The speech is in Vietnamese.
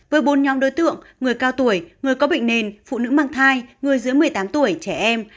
với bốn nhóm đối tượng người cao tuổi người có bệnh nền phụ nữ mang thai người dưới một mươi tám tuổi trẻ em